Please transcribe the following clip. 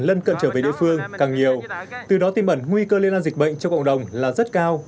lân cận trở về địa phương càng nhiều từ đó tìm ẩn nguy cơ liên an dịch bệnh cho cộng đồng là rất cao